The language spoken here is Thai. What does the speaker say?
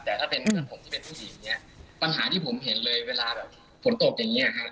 แต่ถ้าเป็นผมที่เป็นผู้หญิงเนี่ยปัญหาที่ผมเห็นเลยเวลาแบบฝนตกอย่างเงี้ยครับ